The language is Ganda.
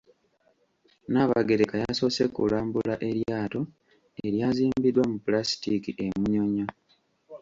Nnaabagereka yasoose kulambula eryato eryazimbiddwa mu Pulaasitiiki e Munyonyo.